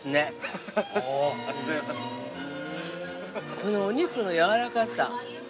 このお肉のやわらかさ。